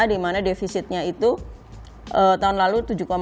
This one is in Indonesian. di mana defisitnya itu tahun lalu